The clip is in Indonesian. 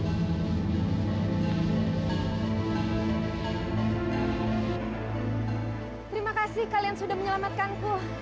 terima kasih kalian sudah menyelamatkanku